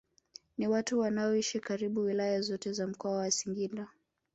Ni watu wanaoishi karibu wilaya zote za mkoa wa Singida